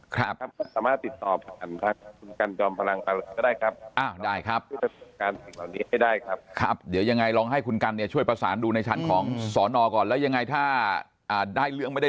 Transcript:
ครับได้ครับได้ครับครับเดี๋ยวยังไงลองให้คุณกันเนี่ยช่วยประสานดูในชั้นของสอนอ่อก่อนแล้วยังไงถ้าได้เรื่องไม่